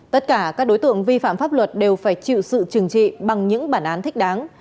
tất cả các đối tượng vi phạm pháp luật đều phải chịu sự trừng trị bằng những bản án thích đáng